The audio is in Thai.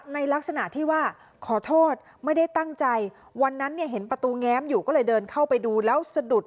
ในลักษณะที่ว่าขอโทษไม่ได้ตั้งใจวันนั้นเนี่ยเห็นประตูแง้มอยู่ก็เลยเดินเข้าไปดูแล้วสะดุด